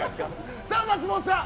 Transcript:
松本さん